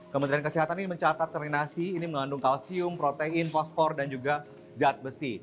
kementerian kesehatan ini mencatat terinasi ini mengandung kalsium protein fosfor dan juga zat besi